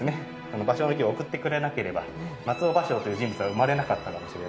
このバショウの木を贈ってくれなければ松尾芭蕉という人物は生まれなかったかもしれないと。